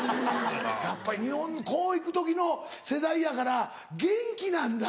やっぱり日本こういくときの世代やから元気なんだ。